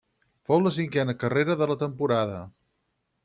Fou la cinquena carrera de la temporada.